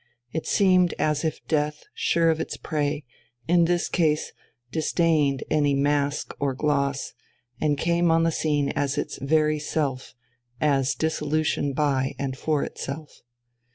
It seemed as if death, sure of its prey, in this case disdained any mask or gloss, and came on the scene as its very self, as dissolution by and for itself.